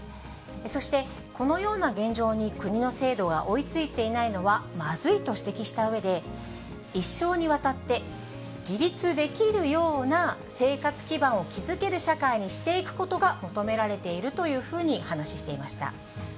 そして、このような現状に国の制度が追いついていないのはまずいと指摘したうえで、一生にわたって自立できるような生活基盤を築ける社会にしていくことが求められているというふうにお話ししていました。